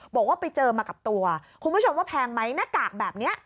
บอกว่าไปเจอมากับตัวคุณผู้ชมว่าแพงไหมหน้ากากแบบนี้